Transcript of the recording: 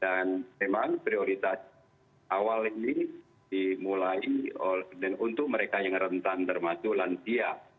dan memang prioritas awal ini dimulai untuk mereka yang rentan termasuk lansia